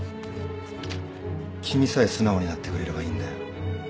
君さえ素直になってくれればいいんだよ。